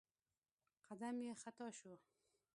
قدم يې خطا شو.